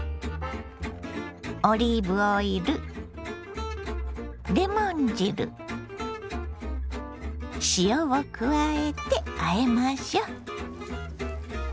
オリーブオイルレモン汁塩を加えてあえましょ。